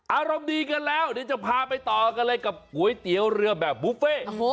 อารมณ์ดีกันแล้วเดี๋ยวจะพาไปต่อกันเลยกับก๋วยเตี๋ยวเรือแบบบุฟเฟ่